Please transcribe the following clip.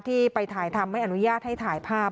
ที่ไปถ่ายทำไม่อนุญาตให้ถ่ายภาพ